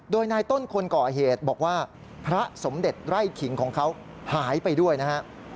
โดยนายต้นคนก่อเหตุบอกว่าพระสมเด็จไร่ขิงของเขาหายไปด้วยนะฮะ